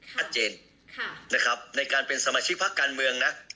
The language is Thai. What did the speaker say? ค่ะค่ะนะครับในการเป็นสมาชิกภาคการเมืองนะ